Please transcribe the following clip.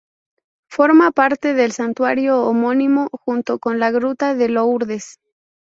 Forma parte del santuario homónimo junto con la Gruta de Lourdes.